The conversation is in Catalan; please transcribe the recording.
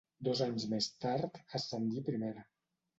Dos anys més tard ascendí a Primera.